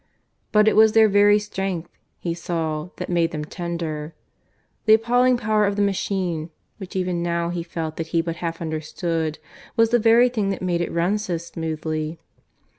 But it was their very strength, he saw, that made them tender; the appalling power of the machine, which even now he felt that he but half understood, was the very thing that made it run so smoothly.